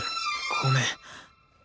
ごめん。